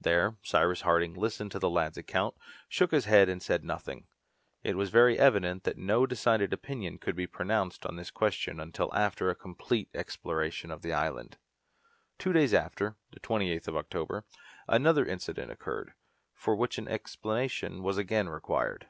There Cyrus Harding listened to the lad's account, shook his head and said nothing. It was very evident that no decided opinion could be pronounced on this question until after a complete exploration of the island. Two days after the 28th of October another incident occurred, for which an explanation was again required.